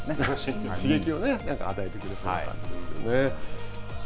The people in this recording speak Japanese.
刺激を与えてくれそうな感じですね。